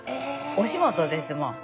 お仕事ですもん。